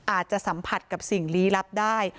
อาจจะสัมผัสกับสิ่งลี้ลับได้